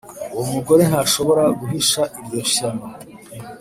Uwomugore ntashobora guhisha iryo shyano.